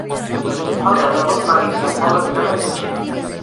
El deu d'agost na Lis i en Pol aniran a Llutxent.